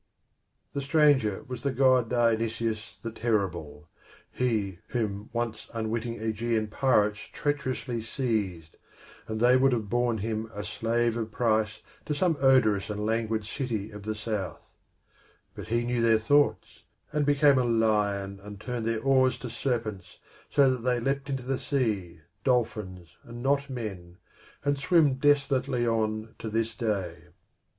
The stranger was the God Dionysus the terrible, he whom once unwitting Aegean pirates treacherously seized, and they would have borne him a slave of price to some odorous and languid city of the South; but he knew their thoughts, and became a Lion, and turned their oars to serpents, so that they leapt into the sea, dolphins and not men, and swim desolately on to this day.